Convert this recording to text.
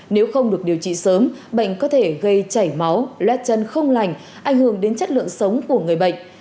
nếu không được điều trị sớm bệnh có thể gây chảy máu lét chân không lành ảnh hưởng đến chất lượng sống của người bệnh